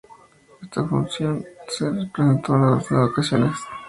Esta función se representó en una docena de ocasiones.